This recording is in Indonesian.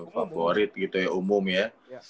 favorit gitu ya umum ya